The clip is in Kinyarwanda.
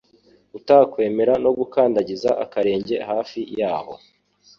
utakwemera no gukandagiza akarenge hafi yaho